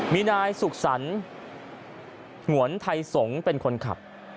มีนายสุขสรรค์หงวนไทยสงฆ์เป็นคนขับ